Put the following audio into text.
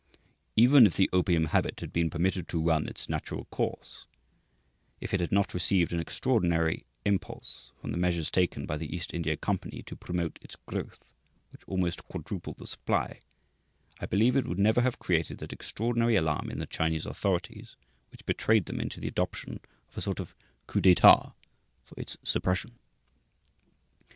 "Even if the opium habit had been permitted to run its natural course, if it had not received an extraordinary impulse from the measures taken by the East India Company to promote its growth, which almost quadrupled the supply, I believe it would never have created that extraordinary alarm in the Chinese authorities which betrayed them into the adoption of a sort of coup d' etât for its suppression."